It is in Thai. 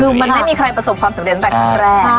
คือมันไม่มีใครประสบความสำเร็จตั้งแต่ครั้งแรก